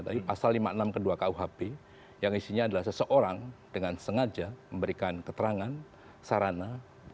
tapi pasal lima puluh enam kedua kuhp yang isinya adalah seseorang dengan sengaja memberikan keterangan sarana